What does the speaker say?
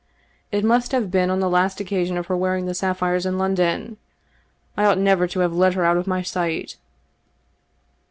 " It must have been on the last occasion of her wearing the sapphires in London. I ought never to have let her out of my sight."